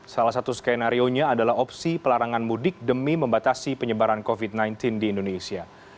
salah satu skenario nya adalah opsi pelarangan mudik demi membatasi penyebaran covid sembilan belas di indonesia